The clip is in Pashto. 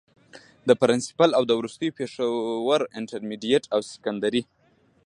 د پرنسپل او وروستو پيښورانټرميډيټ او سکنډري